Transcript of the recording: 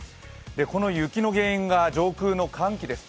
この雪の原因が上空の寒気です。